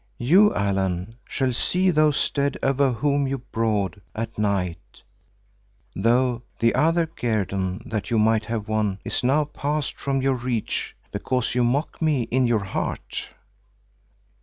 You, Allan, shall see those dead over whom you brood at night, though the other guerdon that you might have won is now passed from your reach because you mock me in your heart."